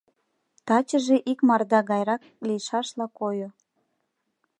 Тачыже икмарда гайрак лийшашла койо.